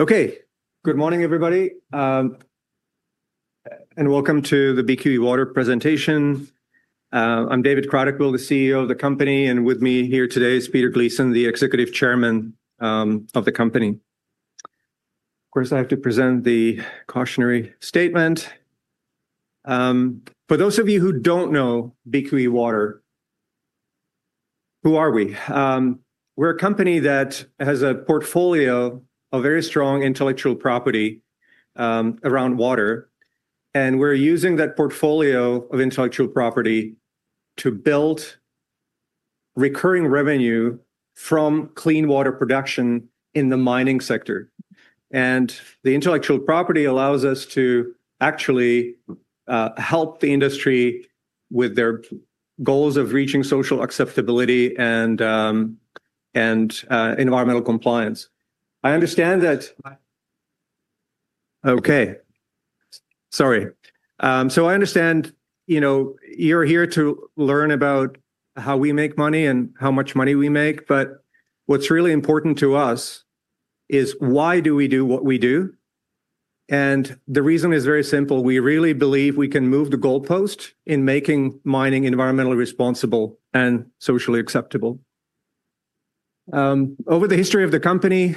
Okay. Good morning, everybody. Welcome to the BQE Water presentation. I'm David Kratochvil, the CEO of the company, and with me here today is Peter Gleeson, the Executive Chairman of the company. Of course, I have to present the cautionary statement. For those of you who don't know BQE Water, who are we? We're a company that has a portfolio of very strong intellectual property around water, and we're using that portfolio of intellectual property to build recurring revenue from clean water production in the mining sector. The intellectual property allows us to actually help the industry with their goals of reaching social acceptability and environmental compliance. I understand that... Sorry. I understand, you know, you're here to learn about how we make money and how much money we make, but what's really important to us is why do we do what we do? The reason is very simple. We really believe we can move the goalpost in making mining environmentally responsible and socially acceptable. Over the history of the company,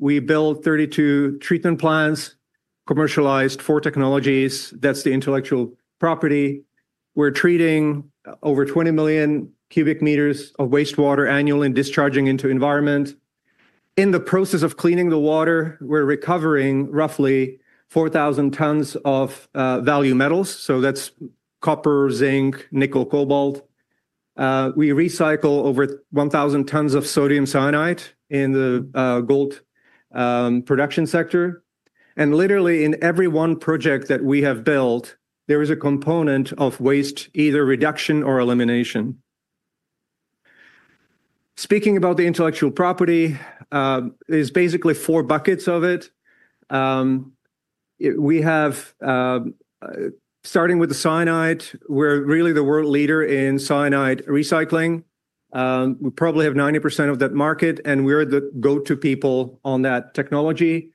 we built 32 treatment plants, commercialized four technologies. That's the intellectual property. We're treating over 20 million cu m of wastewater annually and discharging into the environment. In the process of cleaning the water, we're recovering roughly 4,000 tons of value metals. That's copper, zinc, nickel, cobalt. We recycle over 1,000 tons of sodium cyanide in the gold production sector. Literally, in every one project that we have built, there is a component of waste, either reduction or elimination. Speaking about the intellectual property, it's basically four buckets of it. We have, starting with the cyanide, we're really the world leader in cyanide recycling. We probably have 90% of that market, and we're the go-to people on that technology.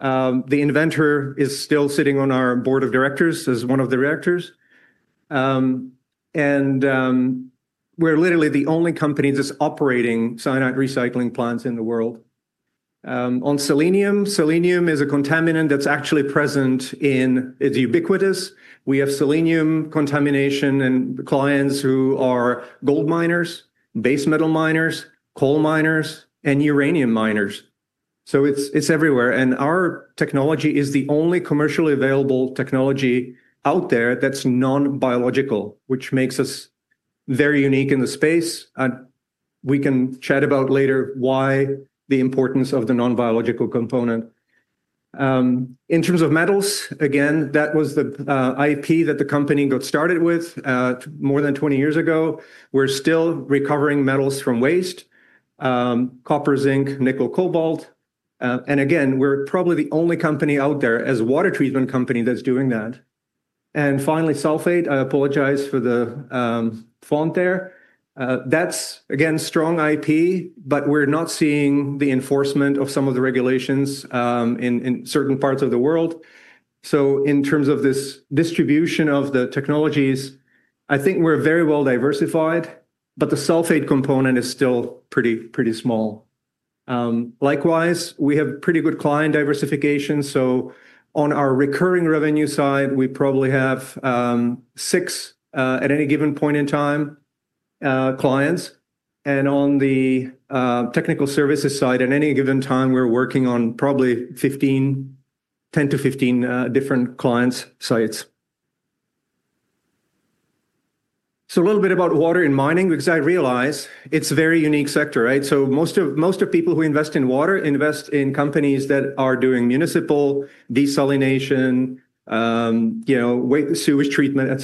The inventor is still sitting on our board of directors as one of the directors. We're literally the only company that's operating cyanide recycling plants in the world. On selenium, selenium is a contaminant that's actually present in... It's ubiquitous. We have selenium contamination in clients who are gold miners, base metal miners, coal miners, and uranium miners. It's everywhere. Our technology is the only commercially available technology out there that's non-biological, which makes us very unique in the space. We can chat about later why the importance of the non-biological component. In terms of metals, again, that was the IP that the company got started with more than 20 years ago. We're still recovering metals from waste: copper, zinc, nickel, cobalt. We're probably the only company out there as a water treatment company that's doing that. Finally, sulfate. I apologize for the font there. That's, again, a strong IP, but we're not seeing the enforcement of some of the regulations in certain parts of the world. In terms of this distribution of the technologies, I think we're very well diversified, but the sulfate component is still pretty, pretty small. Likewise, we have pretty good client diversification. On our recurring revenue side, we probably have six at any given point in time clients. On the technical services side, at any given time, we're working on probably 10-15 different clients' sites. A little bit about water in mining, because I realize it's a very unique sector, right? Most of people who invest in water invest in companies that are doing municipal desalination, you know, sewage treatment, et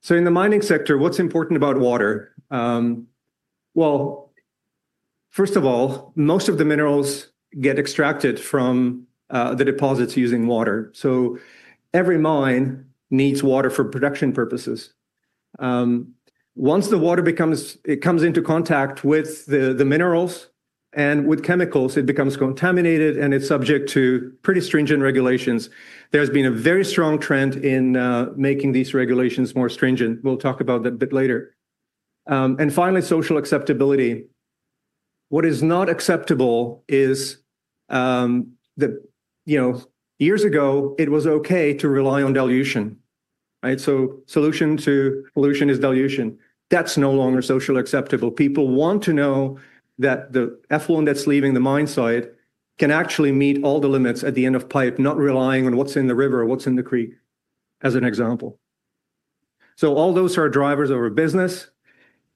cetera. In the mining sector, what's important about water? First of all, most of the minerals get extracted from the deposits using water. Every mine needs water for production purposes. Once the water comes into contact with the minerals and with chemicals, it becomes contaminated and it's subject to pretty stringent regulations. There's been a very strong trend in making these regulations more stringent. We'll talk about that a bit later. Finally, social acceptability. What is not acceptable is that, you know, years ago, it was okay to rely on dilution. Right? Solution to pollution is dilution. That's no longer socially acceptable. People want to know that the effluent that's leaving the mine site can actually meet all the limits at the end of the pipe, not relying on what's in the river or what's in the creek, as an example. All those are drivers of our business.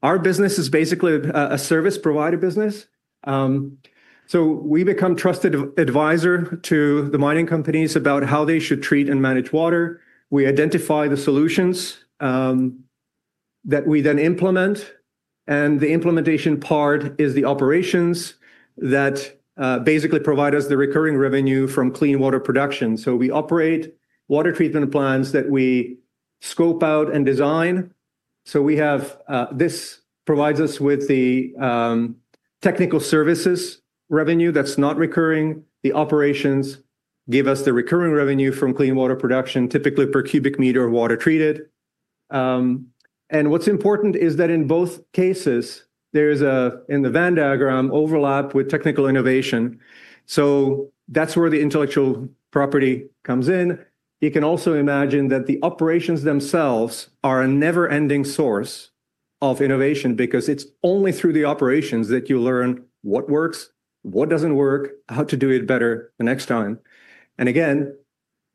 Our business is basically a service provider business. We become a trusted advisor to the mining companies about how they should treat and manage water. We identify the solutions that we then implement, and the implementation part is the operations that basically provide us the recurring revenue from clean water production. We operate water treatment plants that we scope out and design. This provides us with the technical services revenue that's not recurring. The operations give us the recurring revenue from clean water production, typically per cubic meter of water treated. What's important is that in both cases, there is a, in the Venn diagram, overlap with technical innovation. That's where the intellectual property comes in. You can also imagine that the operations themselves are a never-ending source of innovation because it's only through the operations that you learn what works, what doesn't work, how to do it better the next time.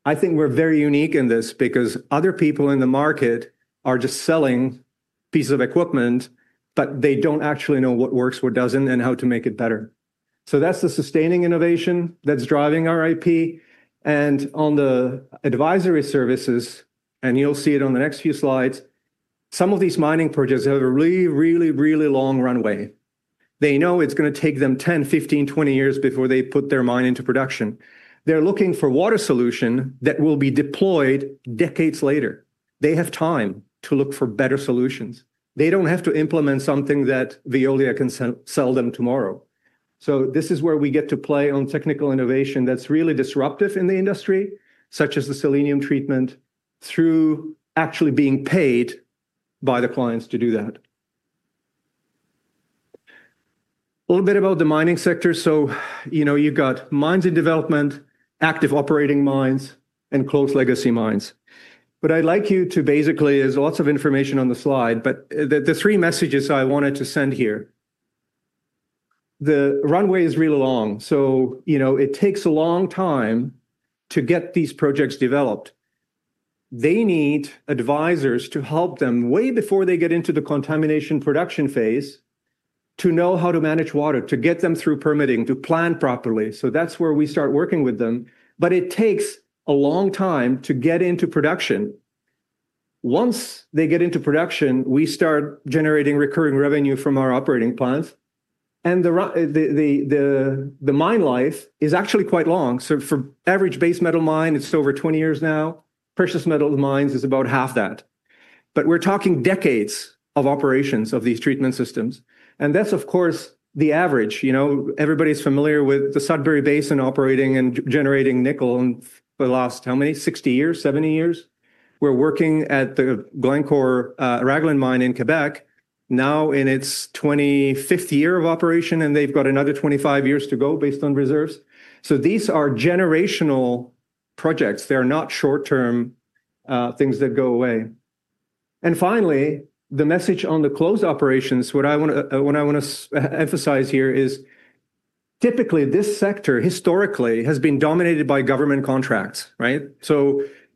I think we're very unique in this because other people in the market are just selling pieces of equipment, but they don't actually know what works, what doesn't, and how to make it better. That's the sustaining innovation that's driving our IP. On the advisory services, and you'll see it on the next few slides, some of these mining projects have a really, really, really long runway. They know it's going to take them 10, 15, 20 years before they put their mine into production. They're looking for water solutions that will be deployed decades later. They have time to look for better solutions. They don't have to implement something that Veolia can sell them tomorrow. This is where we get to play on technical innovation that's really disruptive in the industry, such as the selenium treatment, through actually being paid by the clients to do that. A little bit about the mining sector. You've got mines in development, active operating mines, and closed legacy mines. I'd like you to basically... There's lots of information on the slide, but the three messages I wanted to send here. The runway is really long. It takes a long time to get these projects developed. They need advisors to help them way before they get into the contamination production phase to know how to manage water, to get them through permitting, to plan properly. That's where we start working with them. It takes a long time to get into production. Once they get into production, we start generating recurring revenue from our operating plants. The mine life is actually quite long. For average base metal mine, it's over 20 years now. Precious metal mines is about half that. We're talking decades of operations of these treatment systems. That's, of course, the average. Everybody's familiar with the Sudbury Basin operating and generating nickel for the last, how many, 60 years, 70 years? We're working at the Glencore Raglan mine in Quebec now in its 25th year of operation, and they've got another 25 years to go based on reserves. These are generational projects. They're not short-term things that go away. Finally, the message on the closed operations, what I want to emphasize here is typically this sector historically has been dominated by government contracts, right?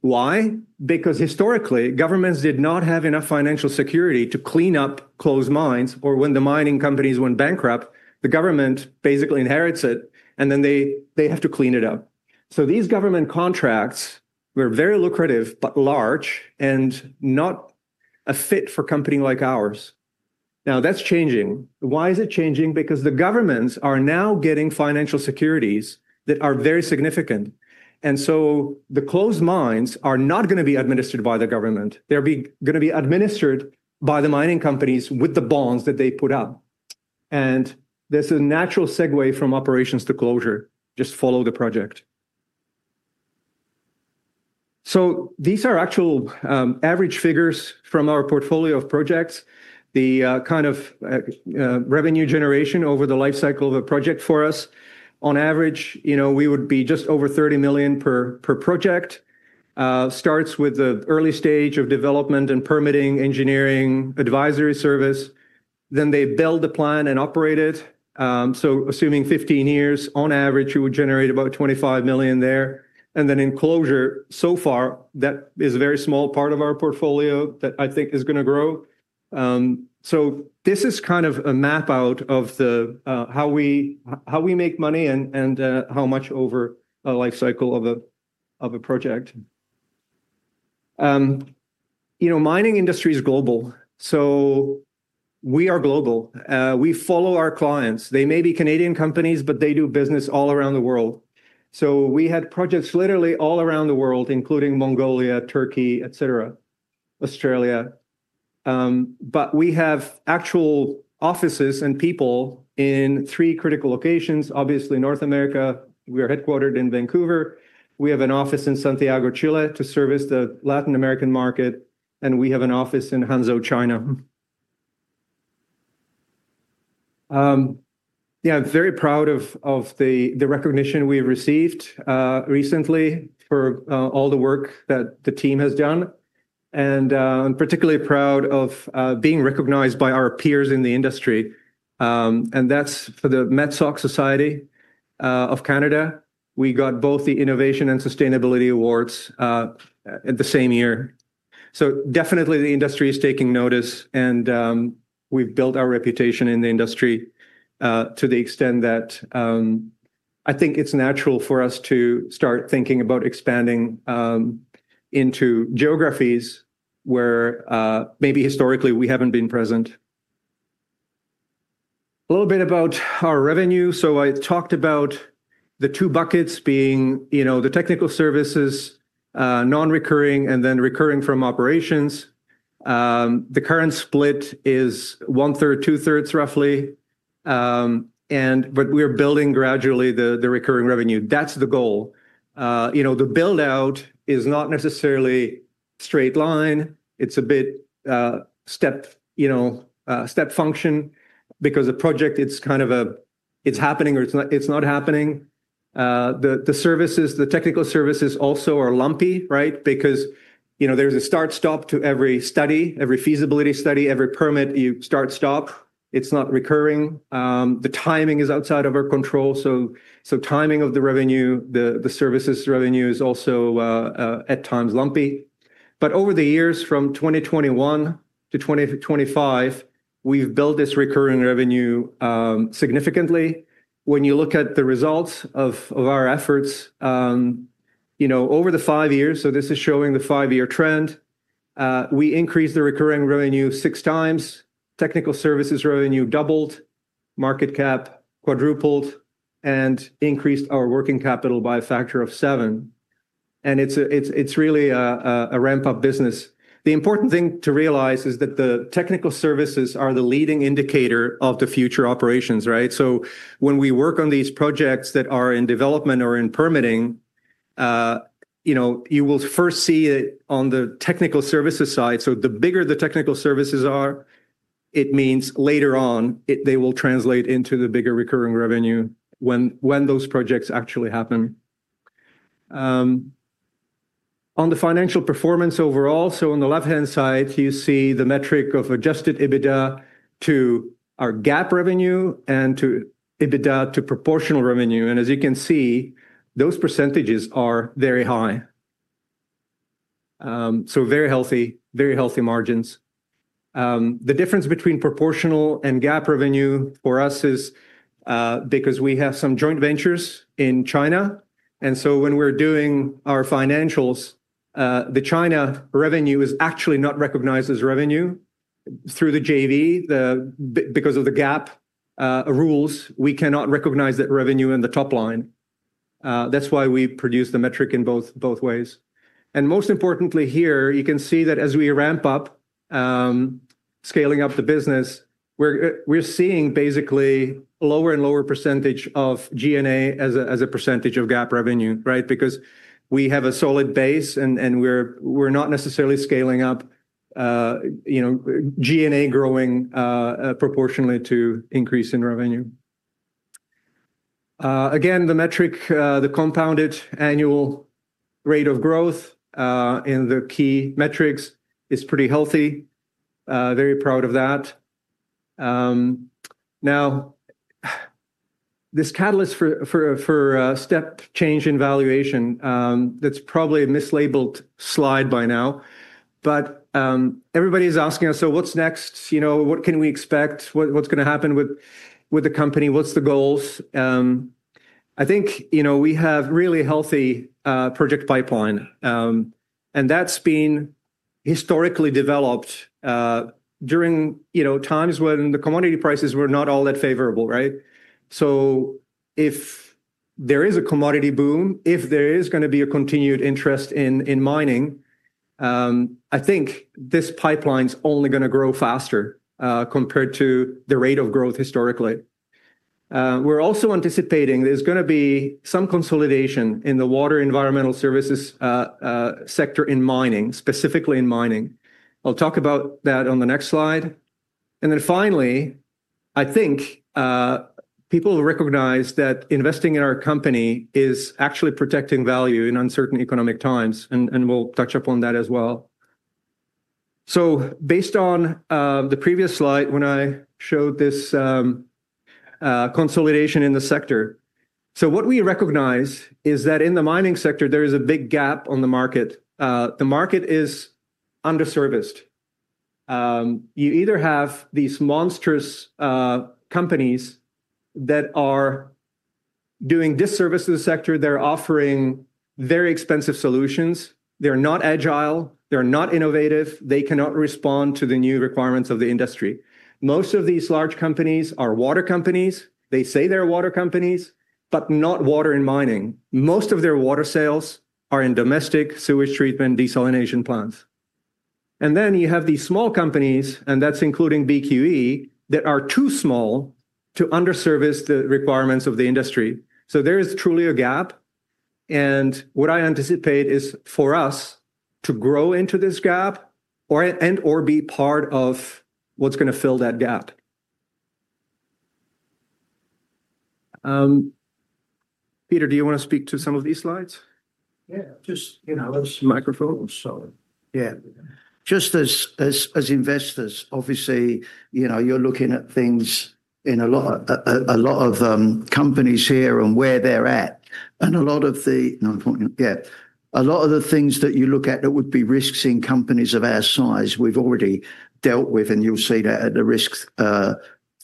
Why? Because historically, governments did not have enough financial security to clean up closed mines, or when the mining companies went bankrupt, the government basically inherits it, and then they have to clean it up. These government contracts were very lucrative, but large and not a fit for a company like ours. Now that's changing. Why is it changing? Because the governments are now getting financial securities that are very significant. The closed mines are not going to be administered by the government. They're going to be administered by the mining companies with the bonds that they put up. There's a natural segue from operations to closure. Just follow the project. These are actual average figures from our portfolio of projects, the kind of revenue generation over the lifecycle of a project for us. On average, you know, we would be just over 30 million per project. It starts with the early stage of development and permitting, engineering, advisory service. Then they build a plan and operate it. Assuming 15 years, on average, you would generate about 25 million there. In closure, so far, that is a very small part of our portfolio that I think is going to grow. This is kind of a map out of how we make money and how much over a lifecycle of a project. You know, the mining industry is global. We are global. We follow our clients. They may be Canadian companies, but they do business all around the world. We had projects literally all around the world, including Mongolia, Turkey, Australia. We have actual offices and people in three critical locations. Obviously, North America. We are headquartered in Vancouver. We have an office in Santiago, Chile, to service the Latin American market. We have an office in Hangzhou, China. I'm very proud of the recognition we've received recently for all the work that the team has done. I'm particularly proud of being recognized by our peers in the industry. That's for the MetSoc Society of Canada. We got both the Innovation and Sustainability Awards in the same year. Definitely, the industry is taking notice, and we've built our reputation in the industry to the extent that I think it's natural for us to start thinking about expanding into geographies where maybe historically we haven't been present. A little bit about our revenue. I talked about the two buckets being, you know, the technical services, non-recurring, and then recurring from operations. The current split is one-third, two-thirds, roughly. We're building gradually the recurring revenue. That's the goal. The build-out is not necessarily a straight line. It's a bit step function because a project, it's kind of a, it's happening or it's not happening. The services, the technical services also are lumpy, right? Because, you know, there's a start-stop to every study, every feasibility study, every permit you start-stop. It's not recurring. The timing is outside of our control. Timing of the revenue, the services revenue is also at times lumpy. Over the years, from 2021-2025, we've built this recurring revenue significantly. When you look at the results of our efforts over the five years, this is showing the five-year trend, we increased the recurring revenue 6x. Technical services revenue doubled, market cap quadrupled, and increased our working capital by a factor of seven. It's really a ramp-up business. The important thing to realize is that the technical services are the leading indicator of the future operations, right? When we work on these projects that are in development or in permitting, you will first see it on the technical services side. The bigger the technical services are, it means later on they will translate into the bigger recurring revenue when those projects actually happen. On the financial performance overall, on the left-hand side, you see the metric of adjusted EBITDA to our GAAP revenue and to EBITDA to proportional revenue. As you can see, those percentages are very high. Very healthy, very healthy margins. The difference between proportional and GAAP revenue for us is because we have some joint ventures in China. When we're doing our financials, the China revenue is actually not recognized as revenue through the JV because of the GAAP rules. We cannot recognize that revenue in the top line. That's why we produce the metric in both ways. Most importantly here, you can see that as we ramp up, scaling up the business, we're seeing basically a lower and lower percentage of G&A as a percentage of GAAP revenue, right? Because we have a solid base and we're not necessarily scaling up, you know, G&A growing proportionally to increase in revenue. Again, the metric, the compounded annual rate of growth in the key metrics is pretty healthy. Very proud of that. Now, this catalyst for a step change in valuation, that's probably a mislabeled slide by now. Everybody is asking us, so what's next? You know, what can we expect? What's going to happen with the company? What's the goals? I think, you know, we have a really healthy project pipeline. That's been historically developed during, you know, times when the commodity prices were not all that favorable, right? If there is a commodity boom, if there is going to be a continued interest in mining, I think this pipeline is only going to grow faster compared to the rate of growth historically. We're also anticipating there's going to be some consolidation in the water environmental services sector in mining, specifically in mining. I'll talk about that on the next slide. Finally, I think people recognize that investing in our company is actually protecting value in uncertain economic times, and we'll touch upon that as well. Based on the previous slide, when I showed this consolidation in the sector, what we recognize is that in the mining sector, there is a big gap on the market. The market is underserviced. You either have these monstrous companies that are doing disservice to the sector. They're offering very expensive solutions. They're not agile. They're not innovative. They cannot respond to the new requirements of the industry. Most of these large companies are water companies. They say they're water companies, but not water in mining. Most of their water sales are in domestic sewage treatment desalination plants. You have these small companies, and that's including BQE, that are too small to underservice the requirements of the industry. There is truly a gap. What I anticipate is for us to grow into this gap and/or be part of what's going to fill that gap. Peter, do you want to speak to some of these slides? Yeah, just, you know, let's... Microphone? Yeah. Just as investors, obviously, you know, you're looking at things in a lot of companies here and where they're at. A lot of the things that you look at that would be risks in companies of our size, we've already dealt with. You'll see that at the risk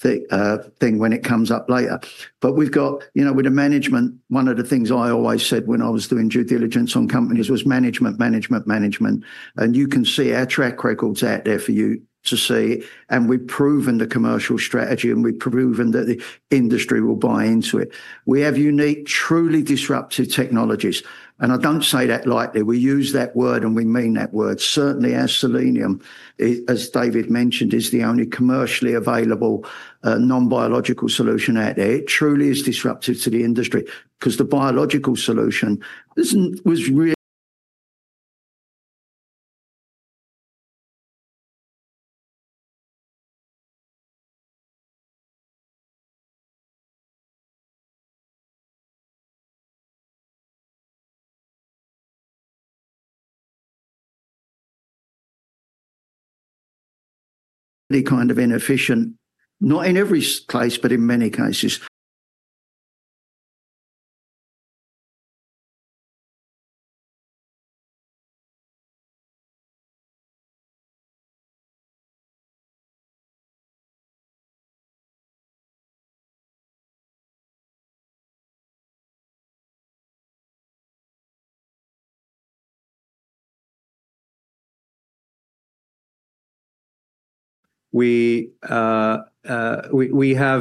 thing when it comes up later. We've got, you know, with the management, one of the things I always said when I was doing due diligence on companies was management, management, management. You can see our track records out there for you to see. We've proven the commercial strategy, and we've proven that the industry will buy into it. We have unique, truly disruptive technologies. I don't say that lightly. We use that word, and we mean that word. Certainly, our selenium, as David mentioned, is the only commercially available non-biological solution out there. It truly is disruptive to the industry because the biological solution was really kind of inefficient, not in every case, but in many cases. We have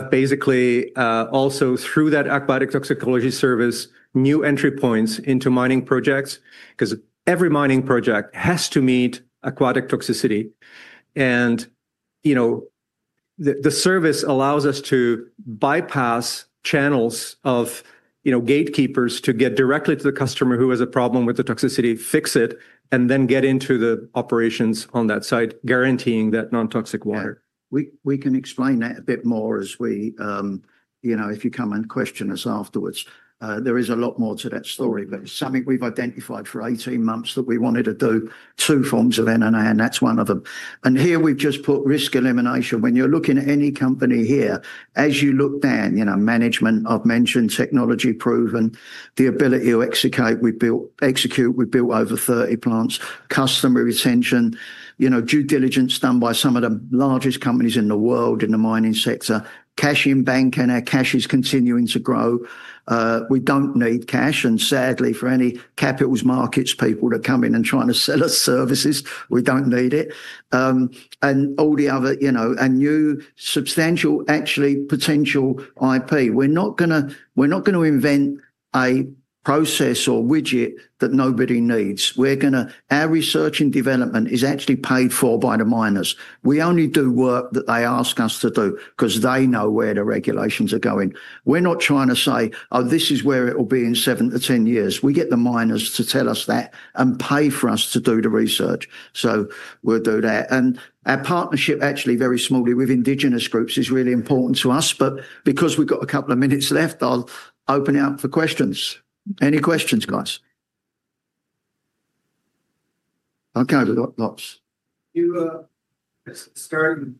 basically also, through that aquatic toxicology service, new entry points into mining projects because every mining project has to meet aquatic toxicity. The service allows us to bypass channels of gatekeepers to get directly to the customer who has a problem with the toxicity, fix it, and then get into the operations on that side, guaranteeing that non-toxic water. We can explain that a bit more if you come and question us afterwards. There is a lot more to that story, but it's something we've identified for 18 months that we wanted to do two forms of NNA. That's one of them. Here we've just put risk elimination. When you're looking at any company here, as you look down, management, I've mentioned technology proven, the ability to execute. We built over 30 plants, customer retention, due diligence done by some of the largest companies in the world in the mining sector. Cash in bank and our cash is continuing to grow. We don't need cash. Sadly, for any capital markets people to come in and try to sell us services, we don't need it. All the other, a new substantial, actually, potential IP. We're not going to invent a process or widget that nobody needs. Our research and development is actually paid for by the miners. We only do work that they ask us to do because they know where the regulations are going. We're not trying to say, oh, this is where it will be in seven to 10 years. We get the miners to tell us that and pay for us to do the research. We'll do that. Our partnership, actually, very small with indigenous groups, is really important to us. Because we've got a couple of minutes left, I'll open it up for questions. Any questions, guys? Okay, we've got lots. You started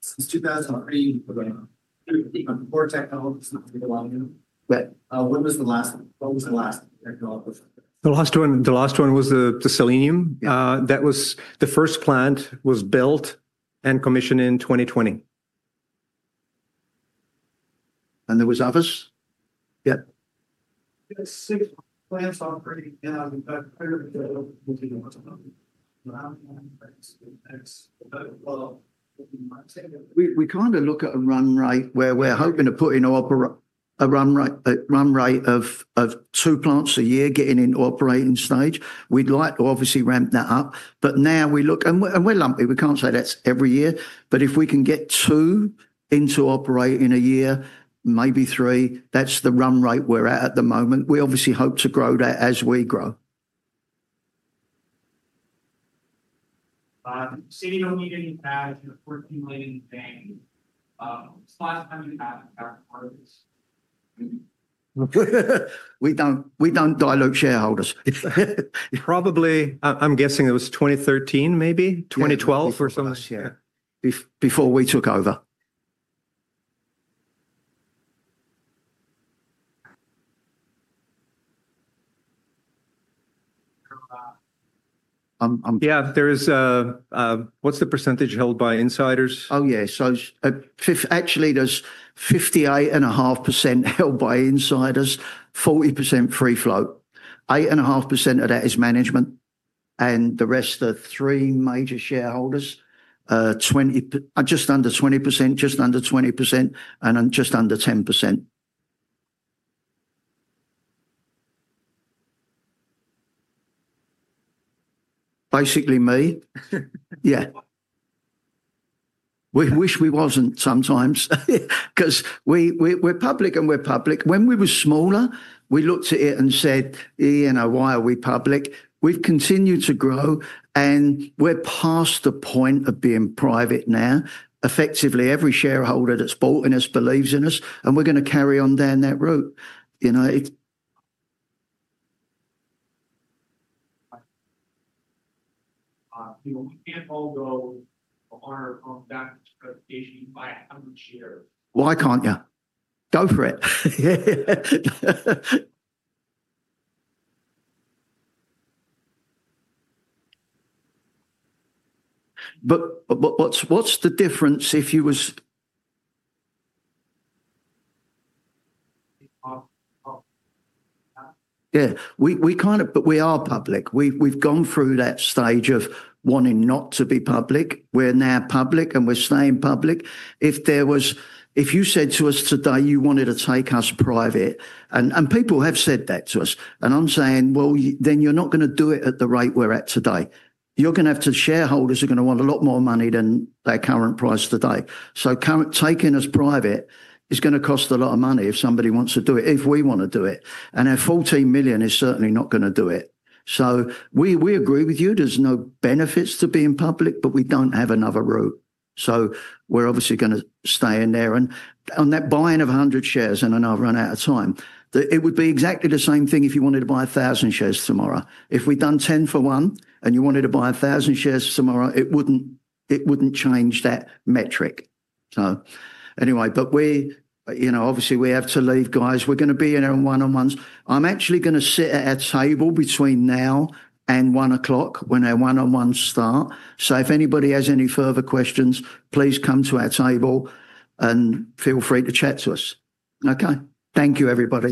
since 2003 working on core technologies. Not to get a lot of them. When was the last, what was the last technology? The last one was the selenium. That was the first plant built and commissioned in 2020. Were there others? Yep. Six plants operating and I'm clear with the... We kind of look at a run rate where we're hoping to put in a run rate of two plants a year getting into operating stage. We'd like to obviously ramp that up. Right now we look, and we're lumpy, we can't say that's every year. If we can get two into operating a year, maybe three, that's the run rate we're at at the moment. We obviously hope to grow that as we grow. Say we don't need any cash and CAD 14 million in the bank. It's the last time you had cash? We don't dilute shareholders. I'm guessing it was 2013, maybe 2012 or something. Before we took over. Yeah, there is. What's the percentage held by insiders? Oh, yeah. Actually, there's 58.5% held by insiders, 40% free float. 8.5% of that is management. The rest are three major shareholders. I'm just under 20%, just under 20%, and I'm just under 10%. Basically, me. We wish we wasn't sometimes because we're public and we're public. When we were smaller, we looked at it and said, you know, why are we public? We've continued to grow and we're past the point of being private now. Effectively, every shareholder that's bought in us believes in us and we're going to carry on down that route. You know, you know. We can't all go on our own back to the presentation by 100 shares. Why can't you? Go for it. What's the difference if you was... Yeah, we kind of, but we are public. We've gone through that stage of wanting not to be public. We're now public and we're staying public. If you said to us today you wanted to take us private, and people have said that to us, I'm saying you're not going to do it at the rate we're at today. You're going to have to, shareholders are going to want a lot more money than their current price today. Taking us private is going to cost a lot of money if somebody wants to do it, if we want to do it. Our 14 million is certainly not going to do it. We agree with you, there's no benefits to being public, but we don't have another route. We're obviously going to stay in there. On that buy-in of 100 shares, and I know I've run out of time, it would be exactly the same thing if you wanted to buy 1,000 shares tomorrow. If we'd done 10 for 1 and you wanted to buy 1,000 shares tomorrow, it wouldn't change that metric. Anyway, we have to leave, guys. We're going to be in our one-on-ones. I'm actually going to sit at our table between now and 1:00 P.M. when our one-on-ones start. If anybody has any further questions, please come to our table and feel free to chat to us. Thank you, everybody.